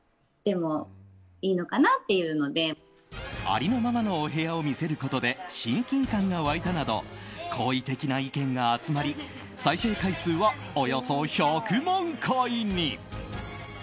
ありのままのお部屋を見せることで親近感が湧いたなど好意的な意見が集まり再生回数は、およそ１００万回に。